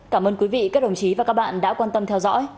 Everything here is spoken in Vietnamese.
cảm ơn quý vị các đồng chí và các bạn đã quan tâm theo dõi